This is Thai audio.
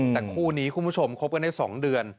แต่คู่นี้คุณผู้ชมคบกันได้๒เดือน